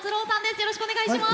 よろしくお願いします。